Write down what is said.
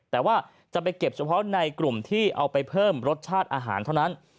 แต่ว่าจะไปเก็บเฉพาะในกลุ่มที่เอาไปเพิ่มรสชาติอาหารเท่านั้น